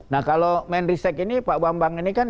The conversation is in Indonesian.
nah kalau menristek ini pak bambang ini kan